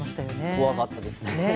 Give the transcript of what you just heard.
怖かったですね。